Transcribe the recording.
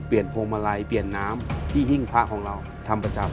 พวงมาลัยเปลี่ยนน้ำที่หิ้งพระของเราทำประจำ